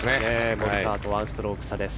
モリカワと１ストローク差です。